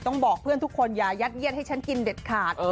บอกเพื่อนทุกคนอย่ายัดเยียดให้ฉันกินเด็ดขาด